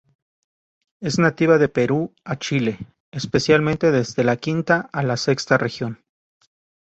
Es nativa de Perú a Chile, especialmente desde la quinta a la sexta región.